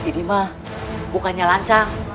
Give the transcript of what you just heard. ini mah bukannya lancang